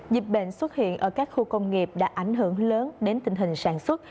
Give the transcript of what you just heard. dịch bệnh xuất hiện ở các khu công nghiệp đã ảnh hưởng lớn đến tình hình sản xuất